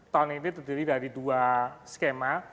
enam lima ton ini terdiri dari dua skema